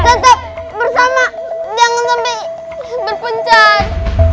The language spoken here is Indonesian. tetap bersama jangan sampai berpencan